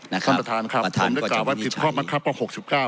ท่านประทานครับผิดความบังคับครับ๖๙